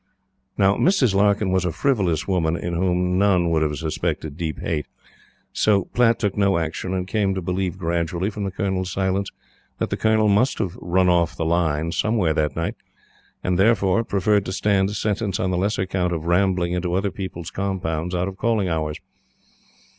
Now Mrs. Larkyn was a frivolous woman, in whom none would have suspected deep hate. So Platte took no action, and came to believe gradually, from the Colonel's silence, that the Colonel must have "run off the line" somewhere that night, and, therefore, preferred to stand sentence on the lesser count of rambling into other people's compounds out of calling hours.